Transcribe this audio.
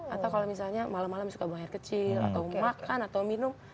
atau kalau misalnya malam malam suka buaya kecil atau makan atau minum